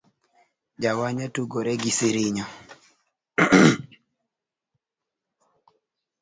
Jawanya tugore gisiro